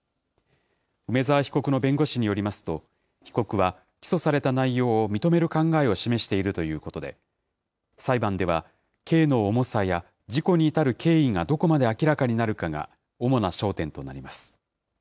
梅澤被告の弁護士によりますと、被告は起訴された内容を認める考えを示しているということで、裁判では、刑の重さや事故に至る経緯がどこまで明らかになるかが主